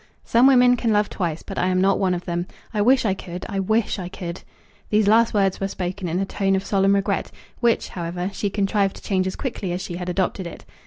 "Some women can love twice, but I am not one of them. I wish I could, I wish I could!" These last words were spoken in a tone of solemn regret, which, however, she contrived to change as quickly as she had adopted it.